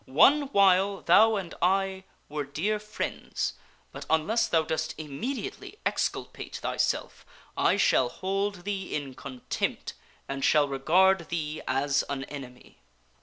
One while thou and I were dear friends, but un less thou dost immediately exculpate thyself I shall hold thee in contempt, and shall regard thee as an enemy."